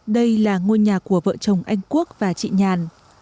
đây là ngôi nhà của vợ chồng anh quốc và chị nhàn